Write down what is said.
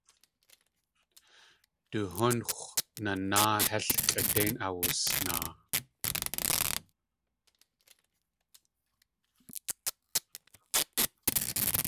Du húnx̲w nanáa hél kʼidéin awusnaa.